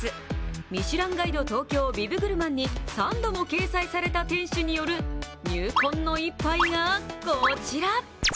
ミシュランガイド東京ビブグルマンに３度も掲載された店主による入魂の一杯がこちら。